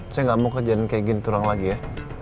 saya gak mau kerjaan kayak ginturang lagi ya